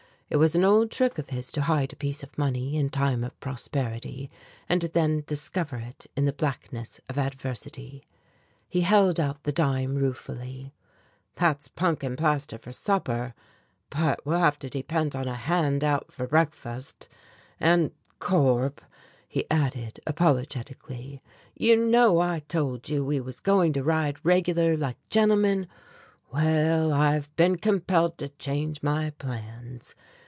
It was an old trick of his to hide a piece of money in time of prosperity, and then discover it in the blackness of adversity. He held the dime out ruefully: "That's punk and plaster for supper, but we'll have to depend on a hand out for breakfast. And, Corp," he added apologetically, "you know I told you we was going to ride regular like gentlemen? Well, I've been compelled to change my plans.